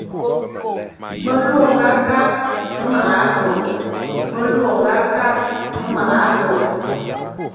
Melu ô nga kakh me mana lor.